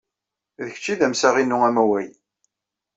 D kečč ay d amsaɣ-inu amaway.